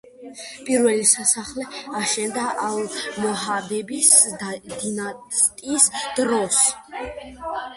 პირველი სასახლე აშენდა ალმოჰადების დინასტიის დროს.